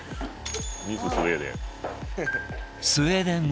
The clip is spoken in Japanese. ミススウェーデン。